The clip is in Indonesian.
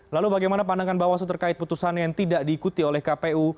lalu bagaimana pandangan bawaslu terkait putusan yang tidak diikuti oleh kpu